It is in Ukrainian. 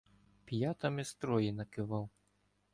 П'ятами з Трої накивав.